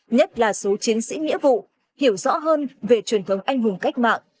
nhất là số chiến sĩ nghĩa vụ hiểu rõ hơn về truyền thống anh hùng cách mạng